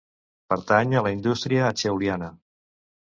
Pertany a la indústria acheuliana.